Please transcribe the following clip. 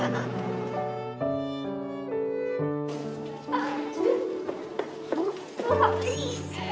あっ！